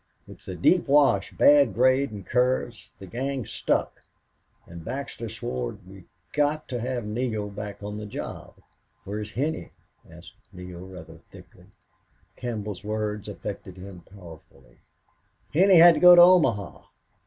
It's a deep wash bad grade an' curves. The gang's stuck. An' Baxter swore, 'We've got to have Neale back on the job!'" "Where's Henney?" asked Neale, rather thickly. Campbell's words affected him powerfully. "Henney had to go to Omaha.